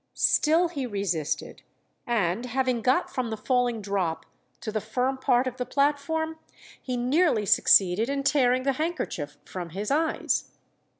Still he resisted, and having got from the falling drop to the firm part of the platform, he nearly succeeded in tearing the handkerchief from his eyes.